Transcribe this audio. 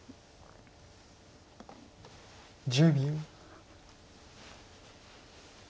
１０秒。